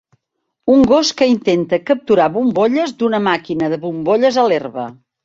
Un gos que intenta capturar bombolles d'una màquina de bombolles a l'herba